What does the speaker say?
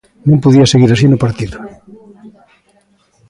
Non podía seguir así no partido.